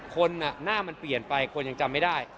คนหน้ามันเปลี่ยนไปคนยังจำไม่ได้